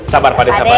sabar pak d sabar